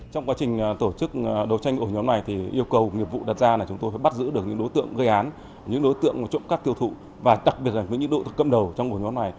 trong quá trình tổ chức đấu tranh của nhóm này thì yêu cầu nghiệp vụ đặt ra là chúng tôi phải bắt giữ được những đối tượng gây án những đối tượng trộm các tiêu thụ và đặc biệt là những đối tượng cầm đầu trong của nhóm này